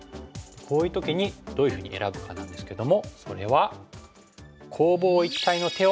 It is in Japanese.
こういう時にどういうふうに選ぶかなんですけどもそれは。